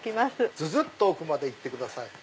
ずずっと奥まで行ってください。